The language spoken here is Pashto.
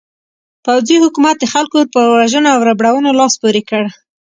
پوځي حکومت د خلکو پر وژنو او ربړونو لاس پورې کړ.